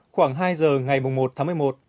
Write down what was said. khoảng hai giờ ngày một tháng một mươi một